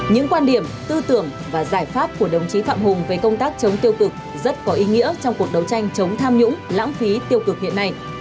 những quan điểm tư tưởng và giải pháp của đồng chí phạm hùng về công tác chống tiêu cực rất có ý nghĩa trong cuộc đấu tranh chống tham nhũng lãng phí tiêu cực hiện nay